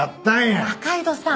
仲井戸さん！